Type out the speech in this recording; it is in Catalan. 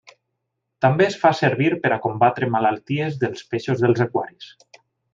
També es fa servir per a combatre malalties dels peixos dels aquaris.